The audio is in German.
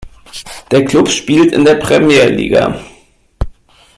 Der Club spielt in der Premjer-Liga.